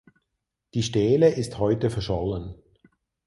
Die Stele ist heute verschollen.